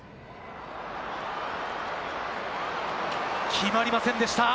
決まりませんでした。